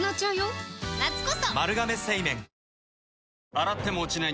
洗っても落ちない